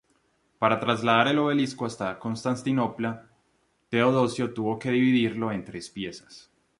Para trasladar el obelisco hasta Constantinopla, Teodosio tuvo que dividirlo en tres piezas.